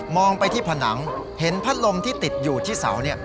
ไปที่ผนังเห็นพัดลมที่ติดอยู่ที่เสา